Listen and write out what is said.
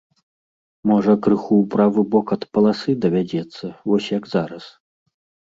Можа крыху ў правы бок ад паласы давядзецца вось як зараз.